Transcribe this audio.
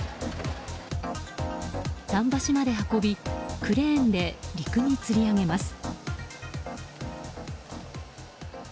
桟橋まで運びクレーンで陸につり上げます。